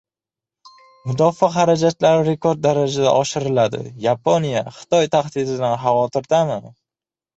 Mudofaa xarajatlari rekord darajada oshiriladi. Yaponiya Xitoy tahdididan xavotirdami?